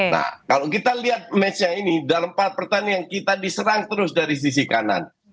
nah kalau kita lihat match nya ini dalam empat pertandingan kita diserang terus dari sisi kanan